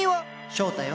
翔太よ。